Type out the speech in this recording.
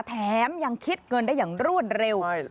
แถมยังคิดเงินได้อย่างรวดเร็ว